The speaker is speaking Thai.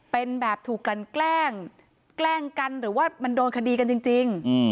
เป็นแบบถูกกันแกล้งแกล้งกันหรือว่ามันโดนคดีกันจริง